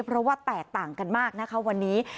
เพราะว่าแตกต่างกันมากนะคะวันนี้